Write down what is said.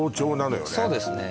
そうですね